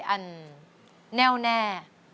อันแน่วแน่